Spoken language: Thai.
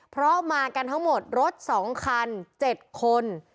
เพราะมากันทั้งหมดรถ๒คัน๗คน